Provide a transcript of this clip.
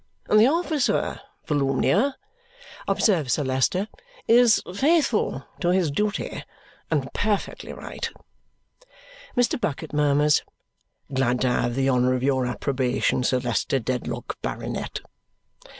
"The officer, Volumnia," observes Sir Leicester, "is faithful to his duty, and perfectly right." Mr. Bucket murmurs, "Glad to have the honour of your approbation, Sir Leicester Dedlock, Baronet."